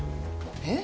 えっ。